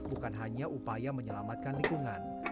bukan hanya upaya menyelamatkan lingkungan